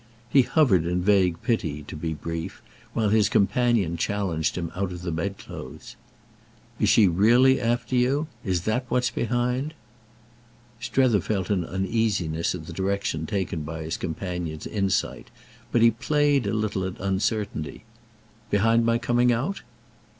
He hovered in vague pity, to be brief, while his companion challenged him out of the bedclothes. "Is she really after you? Is that what's behind?" Strether felt an uneasiness at the direction taken by his companion's insight, but he played a little at uncertainty. "Behind my coming out?"